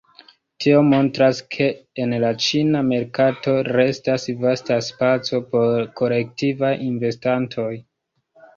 Tio montras ke en la ĉina merkato restas vasta spaco por kolektivaj investantoj.